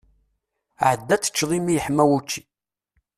Ɛeddi ad teččeḍ imi yeḥma wučči!